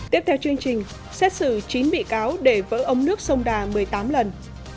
tiếp theo chương trình xét xử chín bị cáo để vỡ ống nước sông đà một mươi tám lần